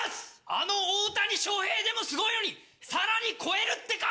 あの大谷翔平でもすごいのにさらに超えるってか！